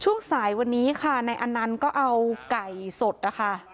ช่วงสายวันนี้ค่ะนายอนันต์ก็เอาไก่สดนะคะ